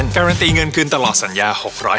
การันตีเงินคืนตลอดสัญญา๖๐๐